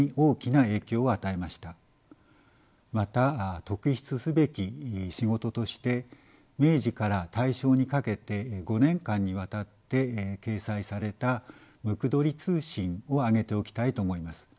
また特筆すべき仕事として明治から大正にかけて５年間にわたって掲載された「椋鳥通信」を挙げておきたいと思います。